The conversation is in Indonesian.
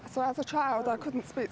sebagai anak kecil saya tidak bisa bicara